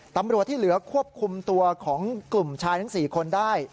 ตำรวจที่เหลือควบคุมตัวของกลุ่มชายทั้ง๔คนได้